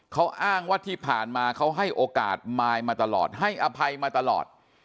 เขาอ้างว่าที่ผ่านมาเขาให้โอกาสมายมาตลอดให้อภัยมาตลอด